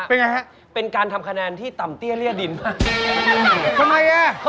เป็นไงฮะเป็นการทำคะแนนที่ต่ำเตี้ยเรียดินมากทำไมอ่ะ